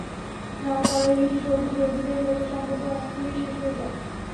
না, তারাই বেশি সৌভাগ্যের অধিকারী যাদের সম্পর্ক অংকুরেই শেষ হয়ে যায়!